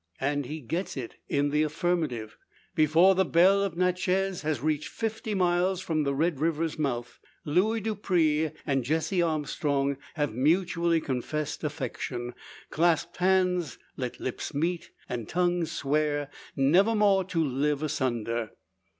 And he gets it in the affirmative. Before the "Belle of Natchez" has reached fifty miles from the Red River's mouth, Luis Dupre and Jessie Armstrong have mutually confessed affection, clasped hands, let lips meet, and tongues swear, never more to live asunder.